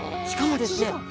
しかもですね